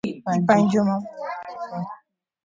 دا تحلیلونه تر یوه بریده ترسره شوي دي.